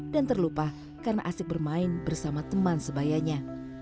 dan terlupa karena asik bermain bersama teman sebayanya